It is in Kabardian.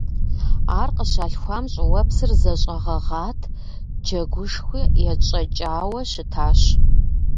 Ар къыщалъхуам, щӀыуэпсыр зэщӀэгъэгъат, джэгушхуи етщӀэкӀауэ щытащ.